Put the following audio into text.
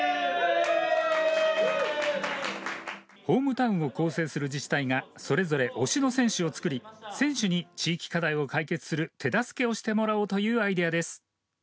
ホームタウンを構成する自治体がそれぞれ推しの選手を作り選手に地域課題を解決する手助けをしてもらおうというアイデアです。